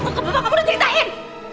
apa bapak mau diceritain